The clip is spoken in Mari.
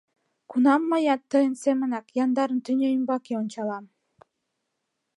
Кунам мыят, тыйын семынак, яндарын тӱня ӱмбаке ончалам?»